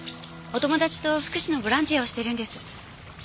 お友達と福祉のボランティアをしてるんです。